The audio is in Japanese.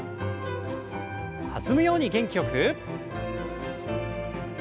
弾むように元気よく。